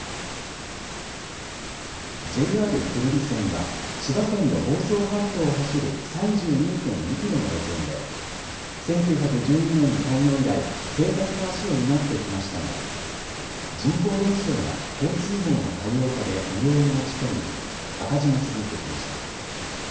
ＪＲ久留里線は千葉県の房総半島を走る３２．２キロの路線で１９１２年に開業以来、生活の足を担ってきましたが人口減少や交通網の多様化で利用が落ち込み赤字が続いてきました。